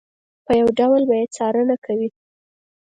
په یو ډول به یې څارنه کوي.